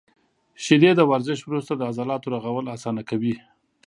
• شیدې د ورزش وروسته د عضلاتو رغول اسانه کوي.